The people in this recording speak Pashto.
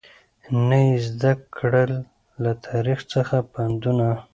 نه یې زده کړل له تاریخ څخه پندونه